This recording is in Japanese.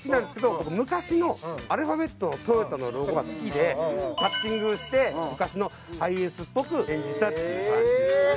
僕昔のアルファベットの「ＴＯＹＯＴＡ」のロゴが好きでカッティングして昔のハイエースっぽく演出したっていう感じですかね。